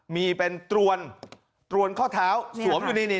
มีเป็นตรวนตรวนข้อเท้าสวมอยู่นี่